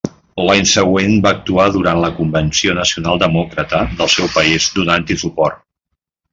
L'any següent va actuar durant la Convenció Nacional Demòcrata del seu país, donant-hi suport.